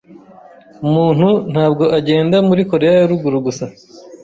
Umuntu ntabwo agenda muri Koreya ya Ruguru gusa.